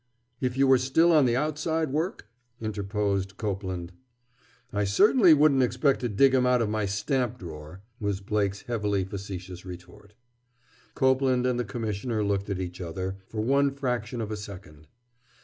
"If you were still on the outside work?" interposed Copeland. "I certainly wouldn't expect to dig him out o' my stamp drawer," was Blake's heavily facetious retort. Copeland and the Commissioner looked at each other, for one fraction of a second.